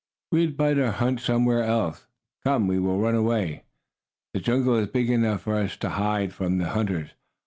We had better hunt somewhere else. Come, we will run away. The jungle is big enough for us to hide from the hunters.